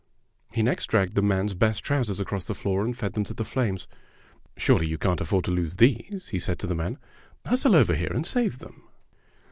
He next dragged the man's best trousers across the floor and fed them to the flames. "Smely, you can't afford to lose those," he said to the man. "Hustle over here and save them."